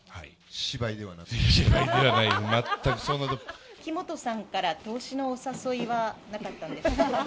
芝居ではない、木本さんから投資のお誘いはなかったんですか？